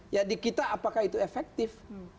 jadi kita apakah itu efektif